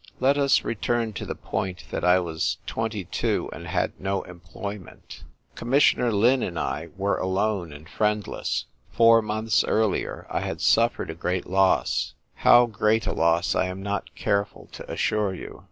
Let us return to the point that I was twenty two, and had no employment. Com missioner Lin and I were alone and friend less. Four months earlier I had suffered a great loss. How great a loss I am not careful to assure you.